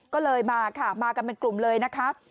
ก็เลยมาค่ะมากันเป็นกลุ่มเลยนะคะ